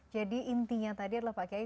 jadi intinya tadi adalah pak kiai